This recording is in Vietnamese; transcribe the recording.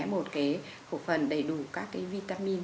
một cái hộp phần đầy đủ các cái vitamin